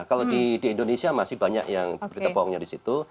kalau di indonesia masih banyak yang berita bohongnya di situ